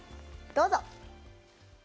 どうぞ。